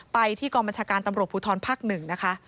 ไปที่กรมชาการตำรวจภูทรภักดิ์๑